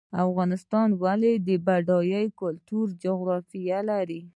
افغانستان ولې بډایه کلتوري جغرافیه لري؟